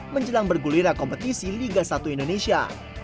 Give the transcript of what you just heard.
menjelang berguliran kompetisi liga satu indonesia